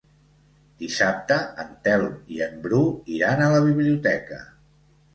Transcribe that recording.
Dissabte en Telm i en Bru iran a la biblioteca.